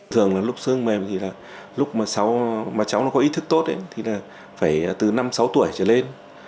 thường là lúc xương mềm thì là lúc mà cháu nó có ý thức tốt thì là phải từ năm sáu tuổi trở lên